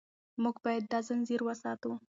موږ باید دا ځنځیر وساتو.